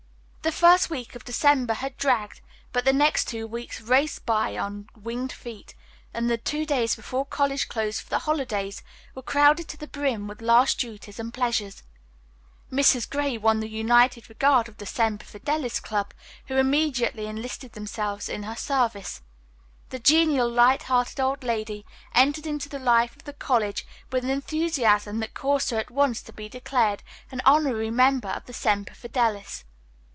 The first week of December had dragged, but the next two weeks raced by on winged feet, and the two days before college closed for the holidays were crowded to the brim with last duties and pleasures. Mrs. Gray won the united regard of the Semper Fidelis Club, who immediately enlisted themselves in her service. The genial, light hearted old lady entered into the life of the college with an enthusiasm that caused her at once to be declared an honorary member of Semper Fidelis.